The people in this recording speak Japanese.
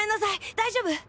大丈夫？